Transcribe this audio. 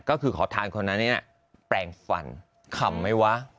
ก็คือขอทานคนนั้นเนี่ยแปลงฟันคำไหมวะ